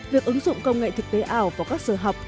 việc ứng dụng công nghệ thực tế ảo vào các giờ học